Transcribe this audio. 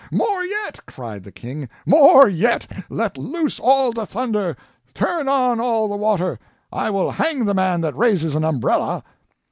"More yet!" cried the King; "more yet let loose all the thunder, turn on all the water! I will hang the man that raises an umbrella!"